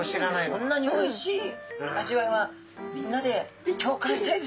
こんなにおいしい味わいはみんなで共感したいですね。